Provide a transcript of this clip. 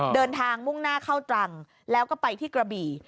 เดินทางมุ่งหน้าเข้าตรังแล้วก็ไปที่กระบี่